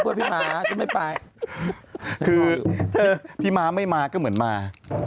คือถ้าพี่ม้าไม่มาก็เหมือนมา